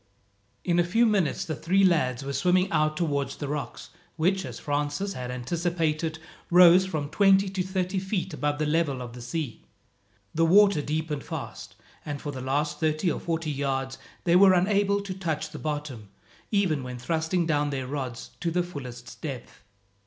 In a few minutes the three lads were swimming out towards the rocks which, as Francis had anticipated, rose from twenty to thirty feet above the level of the sea. The water deepened fast, and for the last thirty or forty yards, they were unable to touch the bottom, even when thrusting down their rods to the fullest depth.